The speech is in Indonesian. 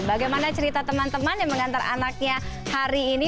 bagaimana cerita teman teman yang mengantar anaknya hari ini